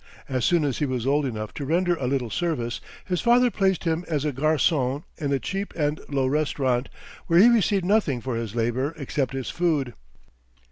As soon as he was old enough to render a little service, his father placed him as a garçon in a cheap and low restaurant, where he received nothing for his labor except his food.